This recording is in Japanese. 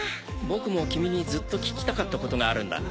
僕も君にずっと聞きたかったことがあるんだ。